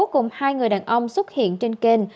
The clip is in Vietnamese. cùng hai người đàn ông xuất hiện trên kênh